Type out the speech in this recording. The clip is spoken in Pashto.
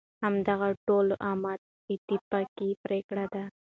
همدغه د ټول امت اتفاقی پریکړه ده،